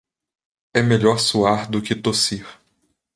É melhor suar do que tossir.